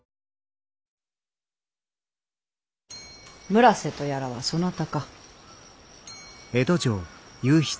村瀬とやらはそなたか？